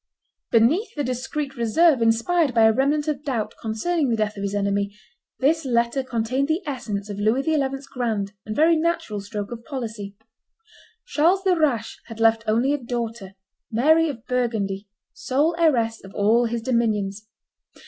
Beneath the discreet reserve inspired by a remnant of doubt concerning the death of his enemy, this letter contained the essence of Louis XI.'s grand and very natural stroke of policy. Charles the Rash had left only a daughter, Mary of Burgundy, sole heiress of all his dominions.